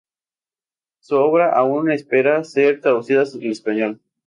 Su obra aún espera ser traducida al español.